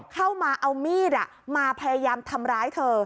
เข้ามาเอามีดมาพยายามทำร้ายเธอ